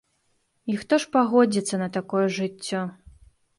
І хто ж пагодзіцца на такое жыццё?